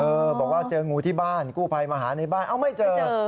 บอกว่าเจองูที่บ้านกู้ภัยมาหาในบ้านเอ้าไม่เจอ